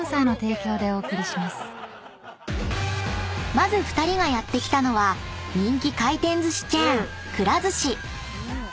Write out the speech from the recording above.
［まず２人がやって来たのは人気回転寿司チェーン］